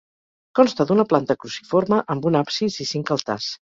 Consta d'una planta cruciforme, amb un absis i cinc altars.